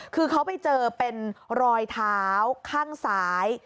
คือเขาไปเจอเป็นรอยเท้าข้างซ้าย